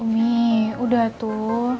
umi udah tuh